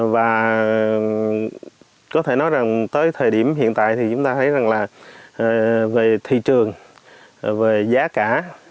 và có thể nói rằng tới thời điểm hiện tại thì chúng ta thấy rằng là về thị trường về giá cả